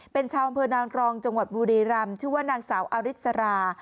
เป็นชาวอำเภอนางรองจังหวัดบุรีรำชื่อว่านางสาวอาริสรา